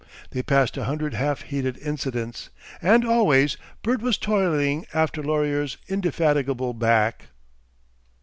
They passed a hundred half heeded incidents, and always Bert was toiling after Laurier's indefatigable back....